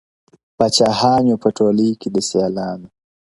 • پاچاهان یو په ټولۍ کي د سیالانو -